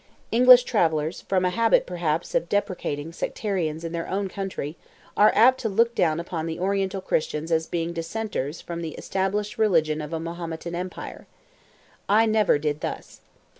English travellers, from a habit perhaps of depreciating sectarians in their own country, are apt to look down upon the Oriental Christians as being "dissenters" from the established religion of a Mahometan empire. I never did thus.